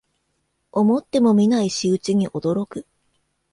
思ってもみない仕打ちに驚く